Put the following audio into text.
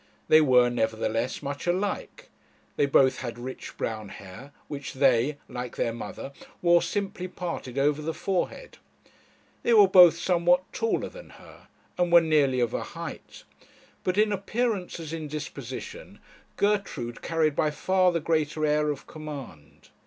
They were, nevertheless, much alike; they both had rich brown hair, which they, like their mother, wore simply parted over the forehead. They were both somewhat taller than her, and were nearly of a height. But in appearance, as in disposition, Gertrude carried by far the greater air of command.